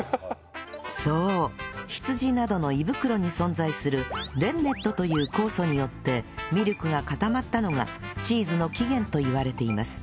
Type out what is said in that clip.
そう羊などの胃袋に存在するレンネットという酵素によってミルクが固まったのがチーズの起源といわれています